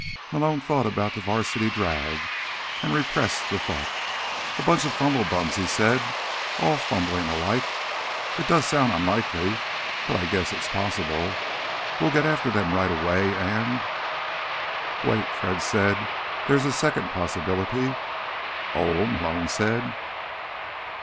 Malone thought of the Varsity Drag and repressed the thought. "A bunch of fumblebums," he said. "All fumbling alike. It does sound unlikely, but I guess it's possible. We'll get after them right away, and—" "Wait," Fred said. "There is a second possibility." "Oh," Malone said.